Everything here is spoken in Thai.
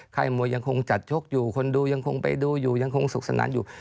มวยยังคงจัดชกอยู่คนดูยังคงไปดูอยู่ยังคงสุขสนานอยู่